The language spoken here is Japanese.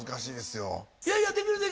いやいやできるできる。